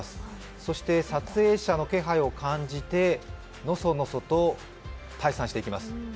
そして、撮影者の気配を感じてのそのそと退散していきます。